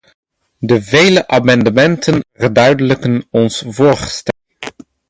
De vele amendementen verduidelijken ons voorstel.